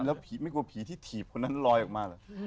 แล้วผีไม่กลัวผีที่ถีบคนนั้นลอยออกมาเหรอ